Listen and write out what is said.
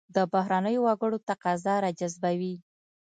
دا بهرنیو وګړو تقاضا راجذبوي.